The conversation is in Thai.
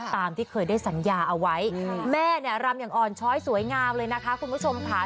ตามที่เคยได้สัญญาเอาไว้แม่เนี่ยรำอย่างอ่อนช้อยสวยงามเลยนะคะคุณผู้ชมค่ะ